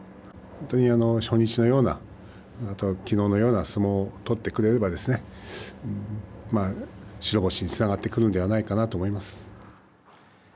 本当に、初日のようなきのうのような相撲を取ってくれれば白星につながってくるのではないかなと思います。